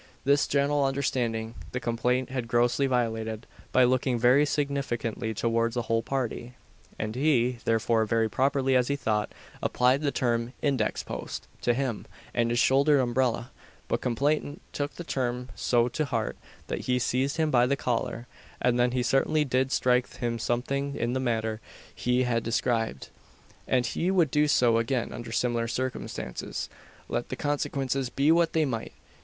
This general understanding the complainant had grossly violated, by looking very significantly towards the whole party; and he, therefore, very properly, as he thought, applied the term "index post" to him and his shouldered umbrella; but complainant took the term so to heart that he seized him by the collar, and then he certainly did strike him something in the manner he had described; and he would do so again under similar circumstances, let the consequences be what they might.